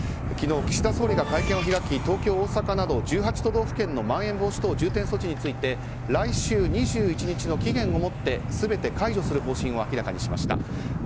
昨日、岸田総理が会見を開き東京、大阪など１８都道府県のまん延防止等重点措置について来週２１日の期限をもって全て解除する方針を明らかにしました。